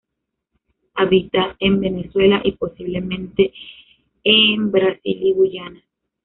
Habita en Venezuela y, posiblemente, en Brasil y Guayana.